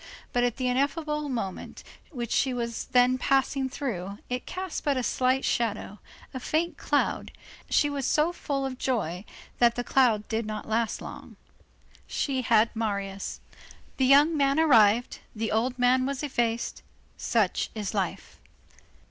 But at the ineffable moment which she was then passing through, it cast but a slight shadow, a faint cloud, and she was so full of joy that the cloud did not last long. She had Marius. The young man arrived, the old man was effaced; such is life.